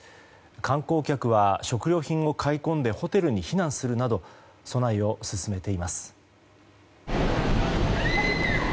観光客は食料品を買い込んでホテルに避難するなど備えを進めています。